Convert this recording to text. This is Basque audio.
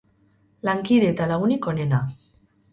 Lankide eta lagunik onena.